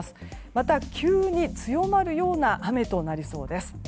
また、急に強まるような雨となりそうです。